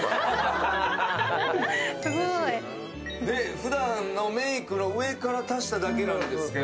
ふだんのメイクの上から足しただけなんですけど。